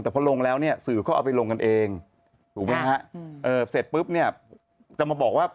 แต่พอลงแล้วเนี่ยสื่อเขาเอาไปลงกันเองถูกไหมฮะเอ่อเสร็จปุ๊บเนี่ยจะมาบอกว่า